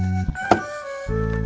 kamu mau ke rumah